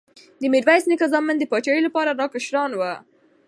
د میرویس نیکه زامن د پاچاهۍ لپاره لا کشران وو.